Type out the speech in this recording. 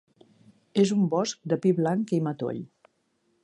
És un bosc de pi blanc i matoll.